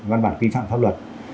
văn bản quy phạm pháp luật